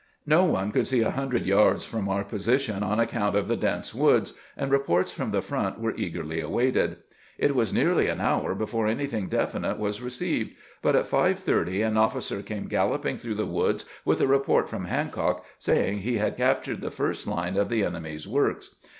No one could see a hundred yards from our position on account of the dense woods, and reports from the front were eagerly awaited. It was nearly an hour before anything definite was received, but at 5 : 30 an officer came galloping through the woods with a report from Hancock saying he had captured the first line of the enemy's works.